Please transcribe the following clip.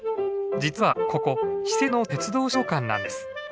実はここ私設の鉄道資料館なんです。